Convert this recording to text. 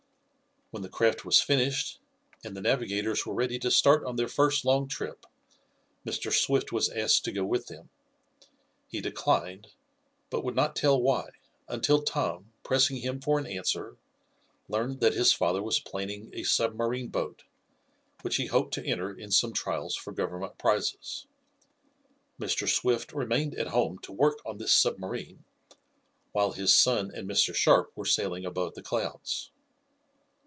When the craft was finished, and the navigators were ready to start on their first long trip, Mr. Swift was asked to go with them. He declined, but would not tell why, until Tom, pressing him for an answer, learned that his father was planning a submarine boat, which he hoped to enter in some trials for Government prizes. Mr. Swift remained at home to work on this submarine, while his son and Mr. Sharp were sailing above the clouds.